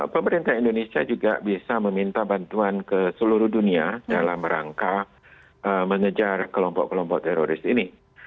pemerintah indonesia juga bisa meminta bantuan ke seluruh dunia dalam rangka mengejar kelompok kelompok teroris ini